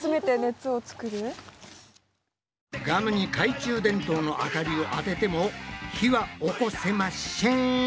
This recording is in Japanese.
ガムに懐中電灯の明かりを当てても火はおこせましぇん！